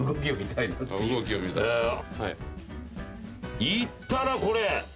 いったなこれ。